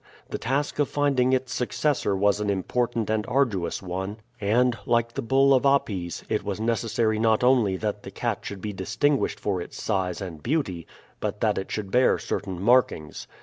The task of finding its successor was an important and arduous one, and, like the bull of Apis, it was necessary not only that the cat should be distinguished for its size and beauty, but that it should bear certain markings.